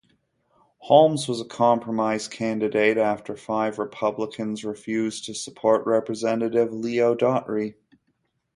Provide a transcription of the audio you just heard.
Holmes was a compromise candidate after five Republicans refused to support Representative Leo Daughtry.